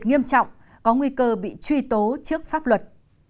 những tổ chức nghiêm trọng có nguy cơ bị truy tố trước pháp luật